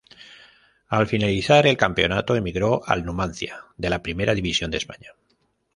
Al finalizar el campeonato emigró al Numancia, de la Primera División de España.